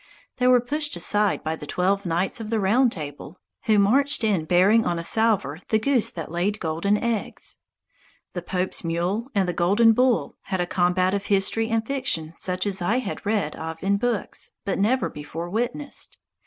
They were pushed aside by the twelve knights of the Round Table, who marched in bearing on a salver the goose that laid golden eggs. "The Pope's Mule" and "The Golden Bull" had a combat of history and fiction such as I had read of in books, but never before witnessed.